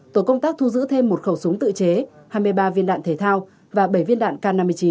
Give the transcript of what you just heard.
tổ công tác thu giữ thêm một khẩu súng tự chế hai mươi ba viên đạn thể thao và bảy viên đạn k năm mươi chín